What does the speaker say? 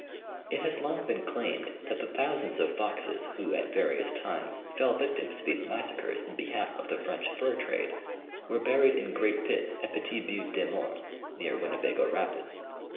It has long been claimed that the thousands of Foxes who at various times fell victims to these massacres in behalf of the French fur trade were buried in great pits at Petit Butte des Morts, near Winnebago Rapids.